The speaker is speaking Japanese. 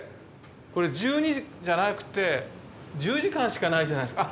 これ１２時じゃなくて１０時間しかないじゃないですか。